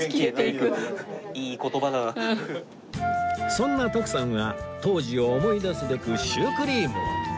そんな徳さんは当時を思い出すべくシュークリーム